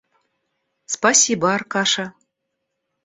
Спасибо, Аркаша.